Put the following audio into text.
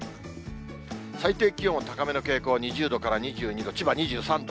最低気温は高めの傾向、２０度から２２度、千葉２３度。